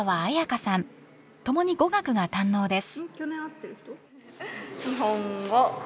ともに語学が堪能です。